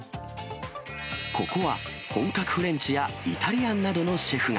ここは本格フレンチやイタリアンなどのシェフが。